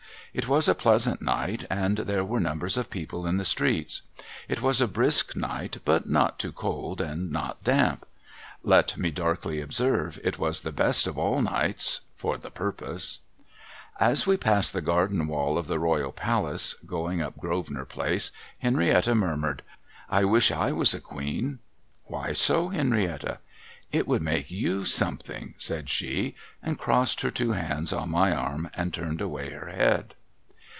It was a pleasant night, and there were numbers of people in the streets. It was a brisk night, but not too cold, and not damp. Let me darkly observe, it was the best of all nights — FOR THE PURPOSE. As we passed the garden wall of the Royal Palace, going up Grosvenor Place, Henrietta murmured :' I wish I was a Queen !'' Why so, Henrietta ?'' I would make you Something,' said she, and crossed her two hands on my arm, and turned away her head.